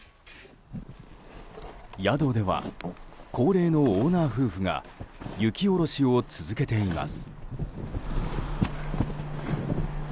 宿では、高齢のオーナー夫婦が雪下ろしを続けています。